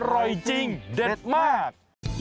อร่อยจริงเด็ดมาก